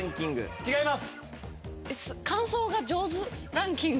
違います。